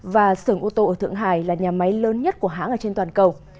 và xưởng ô tô ở thượng hải là nhà máy lớn nhất của hãng trên toàn cầu